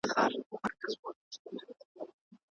موږ غواړو چې یو سالم او روغ هېواد ولرو.